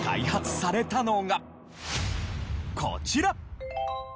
こちら。